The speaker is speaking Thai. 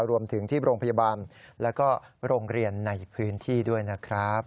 รวมถึงที่โรงพยาบาลแล้วก็โรงเรียนในพื้นที่ด้วยนะครับ